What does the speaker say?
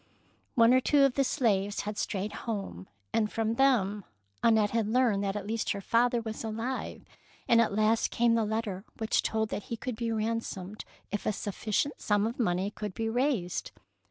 One or two of the slaves had strayed home, and from them Annette had learned that at least her father was 208 THE PEABL NECKLACE alive, and at last came the letter which told that he could be ransomed if a sufficient sum of money could be raised.